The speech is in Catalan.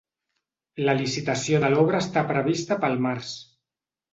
La licitació de l’obra està prevista pel març.